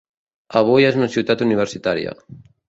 Avui és una ciutat universitària.